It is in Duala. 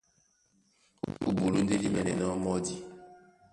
Ó bulú ndé dí mɛ́nɛnɔ́ mɔ́di.